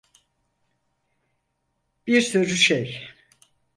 Bir sürü şey.